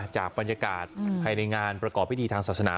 จากบรรยากาศภายในงานประกอบพิธีทางศาสนา